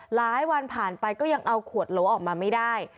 หลายวันผ่านไปก็ยังเอาขวดโหลออกมาไม่ได้